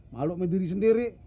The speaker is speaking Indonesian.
malu sama diri sendiri